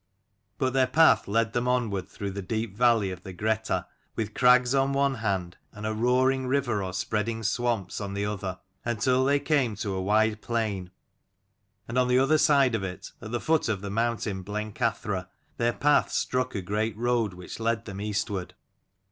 But their path led them onward through the deep valley of the Greta, with crags on one hand and a roaring river or spreading swamps on the other, until they came to a wide plain, and on the other side of it, at the foot of the mountain Blencathra, their path struck a great road which led them eastward.